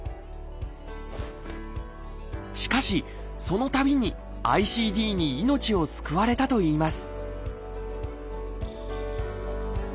しかしそのたびにＩＣＤに命を救われたといいます